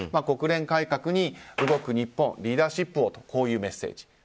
国連改革に動く日本リーダーシップをというメッセージ。